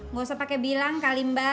gak usah pake bilang kalimba